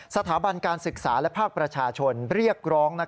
สถาบันการศึกษาและภาคประชาชนเรียกร้อง